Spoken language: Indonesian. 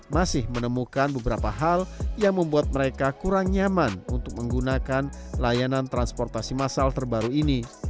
masih menemukan beberapa hal yang membuat mereka kurang nyaman untuk menggunakan layanan transportasi masal terbaru ini